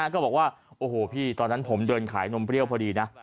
ก็บอกว่าโอ้โหพี่ตอนนั้นผมเดินขายนมเปรี้ยวพอดีนะ